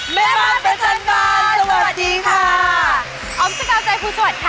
อ๋อมชะกาวใจพูดสวัสดิ์ค่ะ